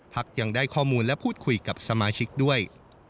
ยังได้ข้อมูลและพูดคุยกับสมาชิกด้วย